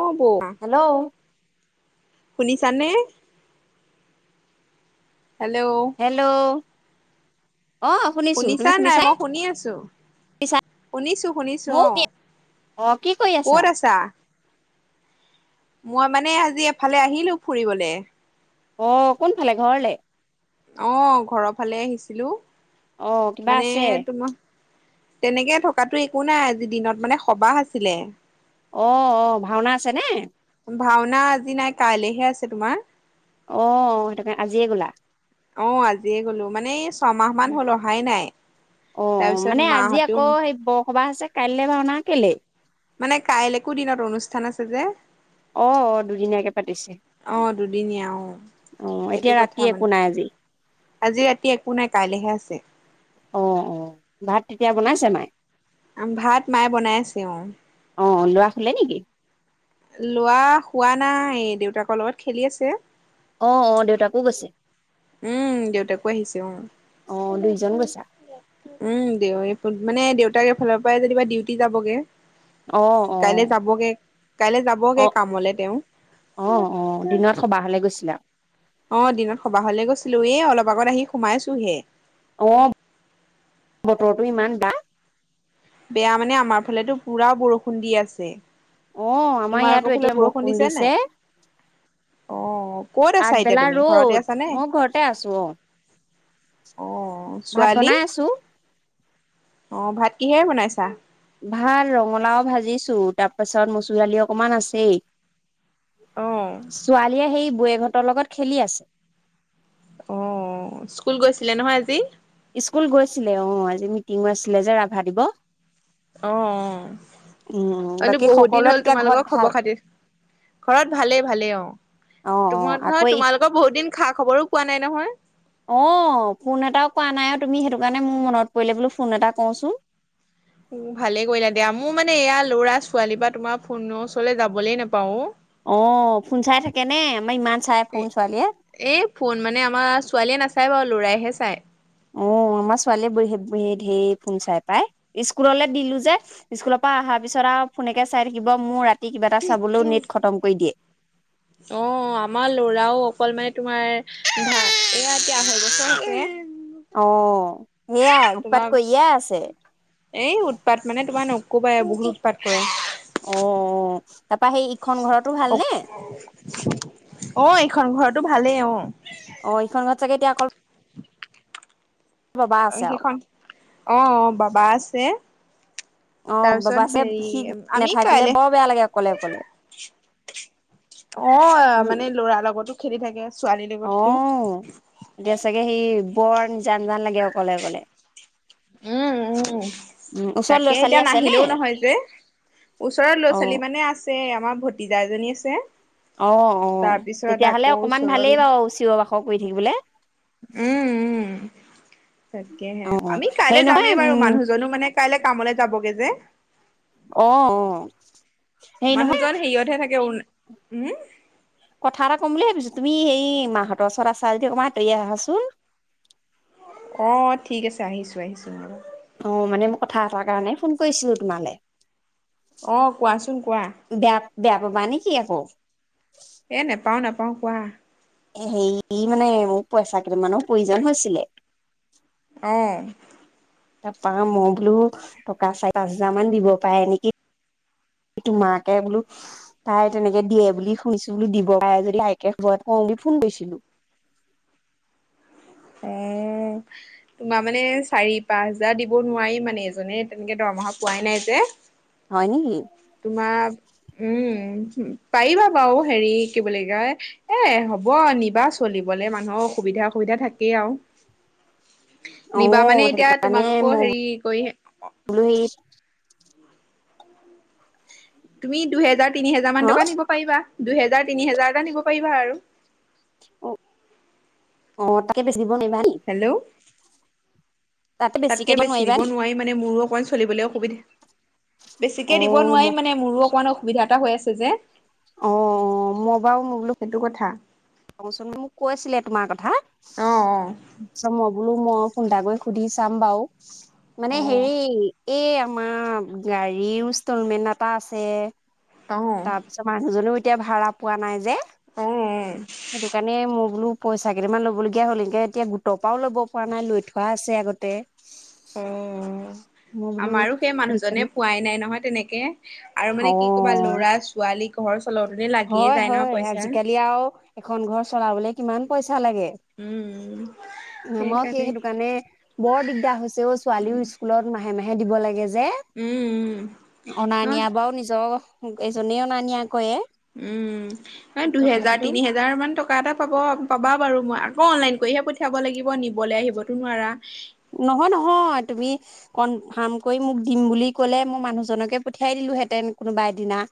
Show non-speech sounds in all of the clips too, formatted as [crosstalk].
অ বৌ। হেল্ল' শুনিছা নে। হেল্ল'। অ শুনিছো তুমি শুনিছা নাই শুনিছাই মই শুনি আছোঁ শুনিছা শুনিছো শুনিছো অ ময়ো অ কি কৰি ক'ত আছা। মই মানে আজি এফালে আহিলো ফুৰিবলে। অ কোনফালে ঘৰলে। অ ঘৰৰ ফালে আহিছিলোঁ। অ কিবা আছে। তেনেকে থকাতো একো নাই আজি দিনত মানে সভা আছিলে। অ অ ভাওঁনা আছে নে। ভাওঁনা আজি নাই কাইলৈহে আছে তোমাৰ। আহ সেইটো কাৰণে আজিয়ে গ'লা অ আজিয়ে গ'লো মানে ছমাহ মান হ'ল অহাই নাই অহ তাৰপিছত মানে আজি মাহঁতেও আকৌ সেই সভা আছে কাইলে ভাওঁনা কেলেই। মানে কাইলৈকো দিনত অনুষ্ঠান আছে যে। অ অ দুদিনীয়াকে পাতিছে অহ দুদিনীয়া অ অ সেইটো এতিয়া কথা ৰাতি একো মানে নাই আজি আজি ৰাতি একো নাই কাইলেহে আছে। অ অ ভাত তেতিয়া বনাইছে নাই। ভাত মায়ে বনাই আছে অ। অ ল'ৰা খালে নেকি। লোৱা হোৱা নাই দেউতাকৰ লগত খেলি আছে। অ', অ', দেউতাকো গৈছে। উম, দেউতাকো আহিছে উম, অ দুইজন গৈছা উম, দেউৰেকো মানে দেউতাক এই ফালৰ পৰাই যেনিবা ডিউটি যাবগে। অ', কাইলৈ অ', যাবগে কাইলৈ যাবগে অ', কামলে তেওঁ অ', অ', দিনত সবাহলে গৈছিলা? অ' দিনত সবাহ হ'লে গৈছিলোঁ, এ, অলপ আগত আহি সোমাইছোহে। অ', বতৰটো ইমান বা বেয়া মানে আমাৰ ফালেটো পুৰা বৰষুণ দি আছে। অ', আমাৰ তোমালোকৰ ইয়াতো ফালে এতিয়া বৰষুণ নাই দিছে, অ ক'ত আছা এতিয়া আগবেলা তুমি ঘৰতে ৰ'দ আছানে মই ঘৰতে আছোঁ অ'। অ ভাত ছোৱালী বনাই আছোঁ। অ', ভাত কিহেৰে বনাইছা? তাৰপাছত মচুৰদালি অকণমান আছেই। অ ছোৱালীয়ে সেই বৈয়ে হঁতৰ লগত খেলি আছে। অ', স্কুল গৈছিলে নহয়, আজি? ইস্কুল গৈছিলে অ', আজি মিটিঙো আছিলে যে, ৰাভা দিবস। উম অ', বাকী [unintelligible] বহুত দিন সকলোৱে হ'ল তেতিয়া ঘৰত তোমালোকৰ ভাল খবৰ খাতিৰ, ঘৰত ভালেই, ভালেই অ', অ অ তোমাৰ আকৌ নহয় তোমালোকৰ বহুত দিন খা খবৰো পোৱা নাই নহয়। অ', ফোন এটাও কৰা নাই আৰু তুমি সেইটো কাৰণে মোৰ মনত পৰিলে বোলো ফোন এটা কৰোঁ চোন। উম, ভালে কৰিলা দিয়া মোৰ মানে এয়া ল'ৰা, ছোৱালী পা, তোমাৰ ফোনৰ ওচৰলৈ যাবলে নাপাওঁ। অ', ফোন চাই থাকে নে? আমাৰ ইমান চাই ফোন ছোৱালীয়ে এ-এ, ফোন মানে আমাৰ ছোৱালীয়ে নাচ চাই বাৰু ল'ৰাইহে চাই। অ', আমাৰ ছোৱালীয়ে বোৰ হে ঢেৰ ফোন চাই পাই স্কুললে দিলোঁ যে স্কুলৰ পৰা অহাৰ পিছত আৰু ফোনকে চাই থাকিব, মোৰ ৰাতি তি কিবা এটা চাবলৈও নেট খতম কৰি দিয়ে। তোমাৰা এয়া এতিয়া আঢ়ৈ বছৰ এ অ', সেয়া উৎপাত তোমাৰ কৰিয়ে আছে। ক'বাই বহুত উৎপাত কৰে। অ', তাপা সেই ইখন ঘৰতো অ', ভালনে? অ', এইখন ঘৰত টো ভালেই অ'। খত অ', আৰু। সেইখন অহ, বাবা আছে। অ বাবা তাৰপিছত আছে হেৰি সি আমি নাথাকিলে কাইলৈ অ', বৰ বেয়া লাগে অকলে অকলে। উম। মানে ল'ৰা লগতো খেলি থাকে। ছোৱালীৰ অ লগতটো। এতিয়া চাগে সেই বৰ নিজান জান লাগে অকলে অকলে। উম উম উম ওচৰত তাকে ল'ৰা ছোৱালী এতিয়া আছে নে? নাহিলেও নহয় যে ওচৰত ল'ৰা অ ছোৱালী মানে আছে আমাৰ ভতি - তিজা এজনী আছে। অ অ তাৰপিছত তেতিয়াহ'লে আকৌ অকমান ওচৰৰ ভালেই বাৰু চিঞ- বাখ কৰি থাকিবলে। উম উম। তাকেহে অ অ আমি কাইলৈ হেৰি নহয় যামেই উম বাৰু মানুহজনো মানে- কাইলৈ কামলৈ যাবগে যে। আহ অ হেৰি মানুহজন নহয়- হেৰিয়তহে থাকে উম? কথা এটা ক'ম বুলি ভাবিছো তুমি সেই মাহঁতৰ ওচৰত আছা যদি অকমান আঁতৰি আহাচোন। অ ঠিক আছে আহিছো আহিছো। অ মানে মই কথা এটাৰ কাৰণে ফোন কৰিছিলো তোমালে। অ' কোৱাচোন কোৱা বেয়া বেয়া পাবা নি? কি আকৌ- এ নেপাও নাপাও কোৱা। এ হেৰি মানে মোক পইচা কেইটামানৰ প্ৰয়োজন হৈছিলে। অহ। তাৰাপা মই বোলো টকা চাৰি, পাঁচ হাজাৰ মান দিব পাৰে নিকি, তোমাকে বোলো তাই তেনেকে দিয়ে বুলি শুনিছো বোলো দিব পাৰে যদি আইকে শুব মই বুলি ফোন কৰিছিলো। উম, তোমাৰ মানে চাৰি, পাঁচ হোজাৰ দিব নোৱাৰি মানে এইজনে তেনেকে দৰমহা পোৱাই নাই যে। হয় নেকি তোমাৰ উম। পাৰিবা বাৰু হেৰি কি বুলি কয় এ হ'ব নিবা চলিবলে মানুহৰ সুবিধা অসুবিধা থাক - কেই আও। অ নিবা মানে সেইটো এতিয়া কাৰণে তোমাক আকৌ মই হেৰি কৰি- বোলো হেৰি তুমি দুহেজাৰ- তিনি হেজাৰ মান হা টকা নিব পাৰিবা। দুহেজাৰ, তিনি হেজাৰ এটা নিব পাৰিবা আৰু। অ অ তাতকে বেছি- দিব নোৱাৰিবা নি? হেল্ল' তাতে বেছিকে তাতকে বেছি নোৱাৰিবা দিব নি নোৱাৰি মানে মোৰো অকমান চলিবলৈ অসুবিধা অ বেছিকে দিব মই নোৱাৰিম মানে মোৰো অকমান অসুবিধা এটা হৈ আছে। ছে যে। অ অ মই বাও মই বোলো- সেইটো কথা [unintelligible] কৈছিলে তোমাৰ কথা অ', অ'। তাপাছত মই - বোলো মই ফোন এটা কৰি সুধি চাম বাও। মানে অ', হেৰি- এই আমাৰ গাড়ীৰ ইনষ্টলমেন্ট এটা আছে, অ', তাৰপিছত মানুজনেও এ- এতিয়া ভাড়া পোৱা নাই যে অ'। সেইটো কাৰণে মই বোলো পইচা কেইটামান ল'বলগীয়া হ'ল এনকে এতিয়া গোটৰ পৰাও ল'ব পৰা নাই লৈ থোৱা আছে আগতে অ'। মই বোলো আমাৰো সেই সেইটো মানুহজনে কাৰণে পোৱাই নাই নহয় তেনেকে আৰু মানে কি ক'বা অ লৰা ছোৱালী দি ঘৰৰ চল হয় হয় আজিকালি আওঁ এখন ঘৰ চলাবলে কিমান পইচা লাগে উম, মই সেই সেইকাৰণে সেইটো কাৰণে বৰ দিগদাৰ হৈছে অ ছোৱালীও স্কুলত মাহে মাহে হে দিব লাগে যে যে উম, অনা উম, ন' নিয় বাৰু নিজৰ এজনেও অনা নিয়া কয়ে উম দুহেজাৰ তিনি হেজাৰ মান টকা এটা পাব পাবা বাৰু মই আকৌ অনলাইন কৰিহে পঠিয়াব লাগিব নিবলৈ আহিবতো নোৱাৰা নহয় নহয় তুমি কনফাৰ্ম কৰি মোক দিম বুলি ক'লে মই মানুহজনকে পঠিয়াই দিলোহেঁতেন কোনোবা এদিনা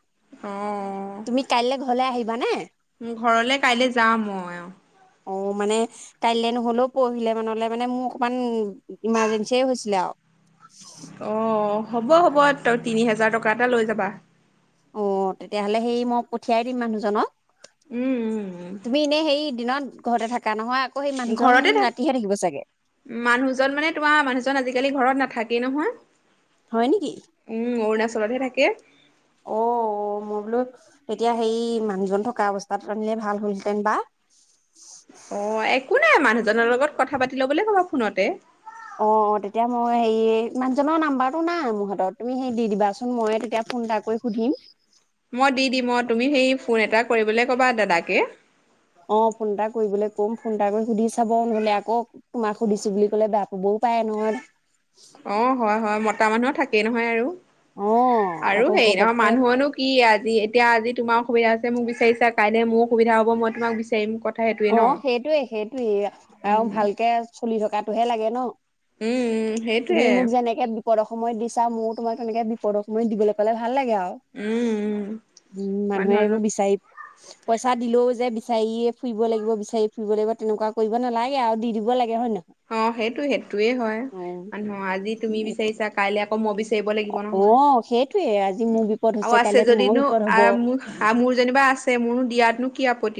তুমি কাইলৈ ঘৰলে আহিবা মানে উ ঘৰলে কাইলৈ যাম মই অ মানে কাইলে নহলেও পৰহিলে মানলে মানে মোৰ অকমান ইমাৰজেঞ্চিয়ে হৈছিলে আৱ অ হ'ব হ'ব তই তিনি হোজাৰ টকা এটা লৈ যাবা অ তেতিয়াহ'লে সেই মই পঠিয়াই দিম মানুহজনক উম, উম, উম। তুমি এনেই সেই দিনত ঘৰতে থাকা নহয় আকৌ সেই মানুহজন ঘৰতে থাক ৰাতিহে থাকিব চাগে মানুহজন মানে তোমাৰ মানুহজন আজিকালি ঘৰত নাথাকে কিয় নহয় হয় নেকি? উম অ ঘৰতেহে থাকে অ মই বোলো এতিয়া সেই মানুহজন থকা অৱস্থাত আনিলে ভাল হ'লহেঁতেন বা অ', একো শুনতে অ অ তেতিয়া মই হেৰি মানুহজনৰ নাম্বাৰটো নাই মোৰ হাতত তুমি সেই দি দিবাচোন ময়ে তেতিয়া ফোন এটা কৰি সুধিম কৰিবলে কবা দাদাকে অ ফোন এটা কৰিবলৈ কম ফোন এটা কৰি সুধি চাব নহলে আকৌ তোমাক সুধিছো বুলি ক'লে বে ক'বও পায় নহ আটা মানুহ থাকে নহয় আৰু অ আৰু আকৌ হেৰি নহয় ঘপককে মানুহনো কি আজি এতিয়া আজি তোমাৰ সুবিধা আছে মোক বিচাৰিছা কাইলে মোক সুবিধা হ'ব ময়ো তোমাক বিচাৰিম ক অহ সেইটোৱে সেইটোয়ে আৰু উম, ভালকে চলি থকা তটোহে লাগে ন। উম তুমি সেইটোৱে। মোক যেনেকে বিপদৰ সময়ত দিছা ময়ো তোমাক তেনেকে বিপদৰ সময়ত দিবলৈ পালে ভাল। ভাল লাগে আৰু উম, উম, উম মানুহে মানুহৰনো এইবোৰ বিচাৰি পইচা দিলেও যে বিচাৰি ফুৰিব লাগিব বিচাৰি ফুৰিব লাগিব তেনেকুৱা কৰিব নালাগে আৰু দি দিব লাগে হয় নহয়। অহ সেইটো সেইটোয়ে হয় মানুহ আজি তুমি বিচাৰিছা কাইলে আকৌ মই বিচাৰিব লাগিব নহয় অহ সেইটোৱে আজি মোৰ বিপদ আৰু হৈছে কাইলে আছে তোমাৰো যদিনো বিপদ হব। অহ মোৰ মোৰ যেনিবা আছে মোৰ দিয়াতনো আপত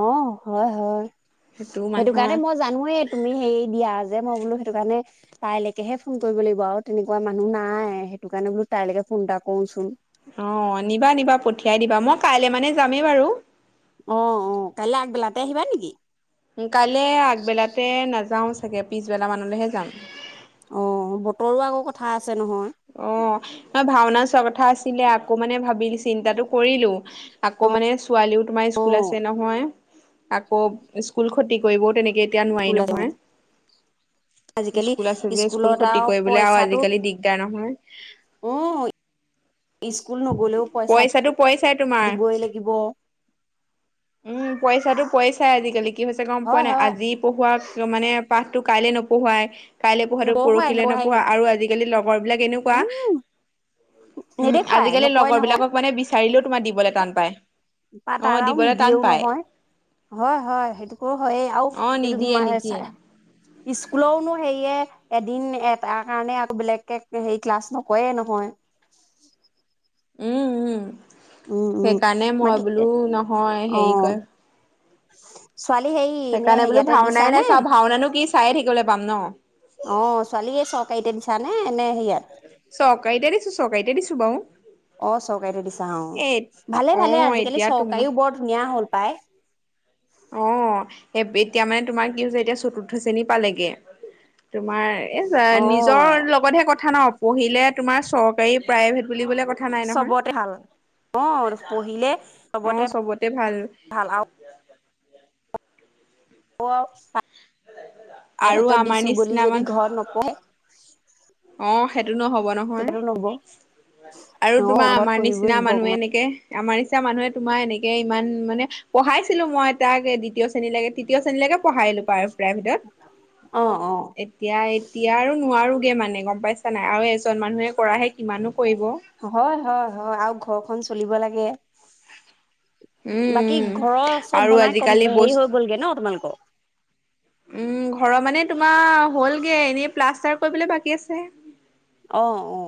অহ হয় হয় সেইটো কাৰণে মই জানোয়েই তুমি হেৰি দিয়া যে। মই বোলো সেইটো কাৰণে তাইলৈকেহে ফোন কৰিব লাগিব আৰু তেনেকুৱা মানুহ নাই সেইটো কাৰণে বোলো তাইলৈকে ফোন এটা কৰোচোন। অহ নিবা নিবা পঠিয়াই দিবা মই কাইলে মানে যামেই বাৰু। অহ অহ কাইলৈ আগবেলাতে আহিবা নেকি। কালে আগবেলাতে নাযাও। চাগে পিছবেলা মানলৈহে যাম। অহ বতৰো আকৌ কথা আছে নহয়। অহ মই ভাওনা চোৱা কথা আছিলে আকৌ মানে ভাবিলো চিন্তাটো কৰিলো আকৌ মানে। ছোৱালীও তোমাৰ স্কুল অ', আছে নহয়। আকৌ স্কুল ক্ষতি কৰিবও তেনেকে। এতিয়া নোৱাৰি ওলাইছে নহয় অ', আজিকালি স্কুল আছে যে স্কুল স্কুলত ক্ষতি আৰু কৰিবলে আৰু পইচাটো আজিকালি দিগদ। নহয়। ইচ। স্কুল নগ'লেও পইচা পইচাটো পইচাই তোমাৰ। দিবই লাগিব। উম পইচাটো পইচাই আজিকালি। কি হৈছে গম পোৱা হয়, নাই হয়। আজি পঢ়োৱাক। মানে পাঠটো কাইলে নপৰহুৱাই। কাইলৈ পোৱাতো নপঢ়ুৱাই পৰহিলৈ নপঢ়াই নোপোহাই আৰু আজিকালি লগৰ বিলাক এনেকুৱা। উম, উম নেদেখুৱাই আজিকালি নকয় লগৰ নহয় বিলাকক মানে বিচাৰিলেও তোমাৰ দিবলৈ টান পায়। পা অ তাৰাও নিদি। দিবলৈ টান দিয়ও পায় নহয়। হয় হয় সেইটো। ক' হয়ে আও অ এইটো নিদিয়ে নিদিয়ে [unintelligible] স্কুলৰনো হেৰিয়ে এদিন তাৰ কাৰণে আৰু বেলেগকে হেৰি ক্লাছ নকৰে নহয়। উম, উম। উম, উম, সেইকাৰণে বাকী মই বোলো নহয়, হেৰি অ', কৰিম [inaudible] ছোৱালী হেৰি, নে, ইয়াতে ভাওনাই দিছা নে? নাচাওঁ অ', ভাওনানো কি চায়ে থাকিবলৈ পাম ন। ছোৱালী চৰকাৰীতেই দিছা? এ, এনেই চৰকাৰীতেই দিছোঁ, চৰকাৰীতেই দিছোঁ বাৰু। অ', চৰকাৰীতেই দিছা ছা, এ অ'। ভালে, অ ভালে। আজিকালি এতিয়া তোমাৰ চৰকাৰীও বৰ ধুনীয়া হ'ল পাই। অ', এই এতিয়া মানে তোমাৰ কি হৈছে? এতিয়া চতুৰ্থ শ্ৰেণী পালেগে। তোমাৰ এ, অ নিজৰ লগতহে কথা ন? পঢ়িলে তোমাৰ চৰকাৰী প্ৰাইভেট বুলিবলে কথা নাই নহয় চবতে ভাল অ পঢ়িলে অ চবতে ভাল ভাল আও অ আৰু আমাৰ প্ৰাইভেটত বুলি নিচিনা মান যদি ঘৰত নপঢ়ে অ সেত টো নহ'ব নহয় তেতিয়াতো নহব আৰু তোমাৰ অ ঘৰত আমাৰ পঢ়িবই নিচিনা লাগিব মানুহে অকমান এনেকে আমাৰ নিচিনা এতিয়া মানুহে তোমাৰ এনেকে ইমান মানে পঢ়াইছিলো মই তাক দ্বিতীয় শ্ৰেণীলৈকে তৃতীয় শ্ৰেণীলৈকে পঢ়াই দিলো পাৰ ভেটত অ অ এতিয়া এতিয়া আৰু নোৱাৰো [unintelligible] মানে গম পাইছানে নাই আৰু স্কু হয় হয় হয় আৰু ঘৰখন চলিব লাগে গে বাকী উম ঘৰৰ চব আৰু বনাই কম আজিকালি হেৰি বস্তু হৈ গ'লগে ন তোমালোকক উম ঘৰৰ মানে তোমাৰ হ'লগে এনেই প্লাষ্টাৰ কৰিবলৈ বাকী আছে অ অ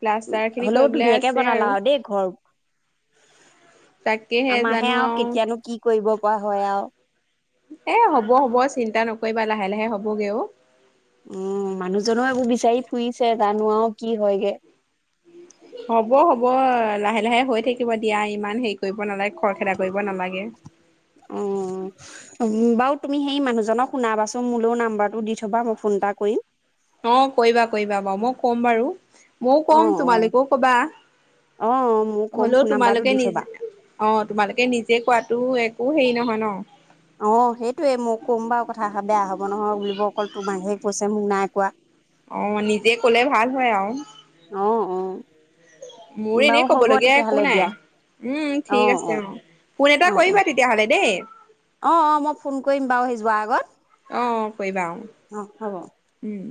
প্লাষ্টাৰ খিনি হলেও কৰিবলৈ ধুনীয়াকে আছে বনালা আৰু দেই ঘৰ তাকেহে জানো আমাৰহে আৰু কেতিয়ানো কি কৰিব কোৱা হয় আও। এ হ'ব-হ'ব চিন্তা নকৰিবা লাহে- লাহে হ'বগেও। উম মানুহজনৰ এইবোৰ বিচাৰি ফুৰিছে তাত। নোৱাও কি হয়গে। হ'ব হ'ব লাহে লাহে হৈ থাকিব দিয়া ইমান হেৰি কৰিব নালাগে। খৰখেদা কৰিব নালাগে। উম, বাও তুমি সেই মানুহজনক শুনাবাচোন মোলেও নাম্বাৰটো দি থ'বা মই ফোন এটা কইম। অ' কইবা-কইবা বাও মই ক'ম বাৰু। মও অ কম তোমালোকেও ক'বা, অ অ মোক কম হ'লেও ফোন নাম্বাৰটো তোমালোকে দি নিজ থবা অ' তোমালোকে নিজে কোৱাত তো একো হেৰি নহয় ন। অ সেইটোয়ে, মই ক'ম বাৰু কথাষাৰ বেয়া হব নহয়, বুলিব অকল তোমাকহে কৈছে মোক নাই কোৱা। অ' নিজে কলে ভাল হয় আৰু অ অ মোৰ বাৰু এনেই হ'ব কবলগীয়া একো তেতিয়াহ'লে নাই দিয়া উম ঠিক আছে অ ফোন এটা অ অ কৰিবা তেতিয়াহলে দেই অ অ মই ফোন কৰিম বাৰু সেই যোৱাৰ আগত অ কৰিবা অ উম